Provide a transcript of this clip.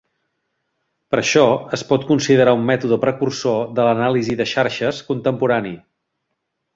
Per això es pot considerar un mètode precursor de l'anàlisi de xarxes contemporani.